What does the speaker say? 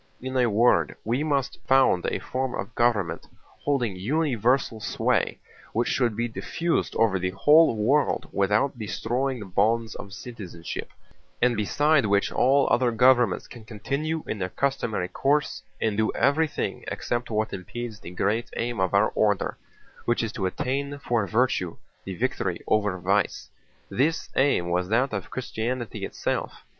In a word, we must found a form of government holding universal sway, which should be diffused over the whole world without destroying the bonds of citizenship, and beside which all other governments can continue in their customary course and do everything except what impedes the great aim of our order, which is to obtain for virtue the victory over vice. This aim was that of Christianity itself.